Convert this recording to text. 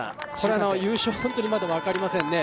優勝が本当にまだ分かりませんね。